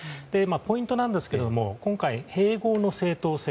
ポイントなんですが今回、併合の正当性。